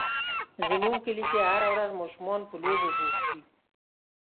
زموږ کلي کې هره ورځ ماشومان په لوبو بوخت وي.